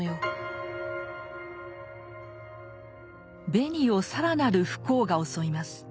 ベニを更なる不幸が襲います。